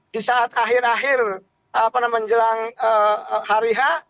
di saat akhir akhir menjelang hari h